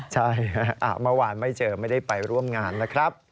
ใช่เมื่อวานไม่เจอไม่ได้ไปร่วมงานนะครับ